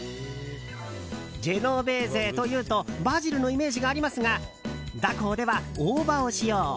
ジェノベーゼというとバジルのイメージがありますがダコーでは大葉を使用。